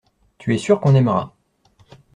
Tu es sûr qu’on aimera.